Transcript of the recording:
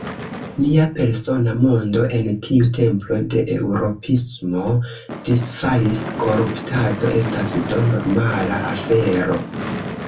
Mia persona mondo, en tiu templo de eŭropismo, disfalis: koruptado estas do normala afero.